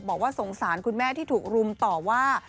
บอกว่าสงสารคุณแม่ที่ถูกรุมต่อว่า